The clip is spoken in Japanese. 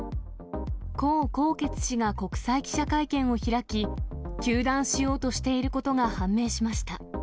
江宏傑氏が国際記者会見を開き、糾弾しようとしていることが判明しました。